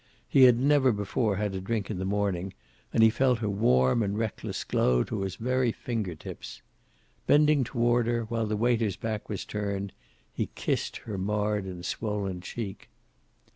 He had never before had a drink in the morning, and he felt a warm and reckless glow to his very finger tips. Bending toward her, while the waiter's back was turned, he kissed her marred and swollen cheek.